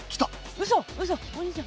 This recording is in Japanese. うそうそお兄ちゃん。